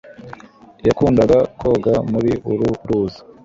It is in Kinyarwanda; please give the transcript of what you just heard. yakundaga koga muri uru ruzi